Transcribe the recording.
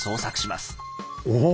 おお！